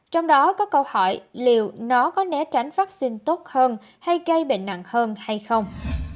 trong đó có câu hỏi liệu nó có né tránh phát sinh tốt hơn hay gây bệnh nặng hơn hay không